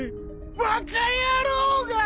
バカ野郎がぁ！